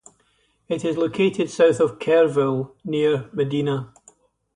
It is located south of Kerrville near Medina.